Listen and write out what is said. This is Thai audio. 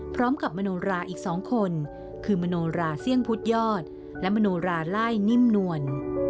มโนราอีก๒คนคือมโนราเสี่ยงพุทธยอดและมโนราไล่นิ่มนวล